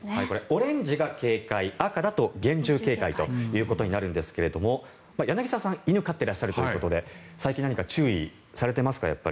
オレンジが警戒赤だと厳重警戒ということになるんですが柳澤さん、犬を飼っていらっしゃるということで最近、何か注意されていますか。